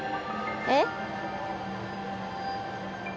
えっ？